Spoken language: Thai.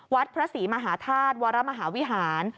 วัดพระศรีมหาธาตุวรมหาวิหาร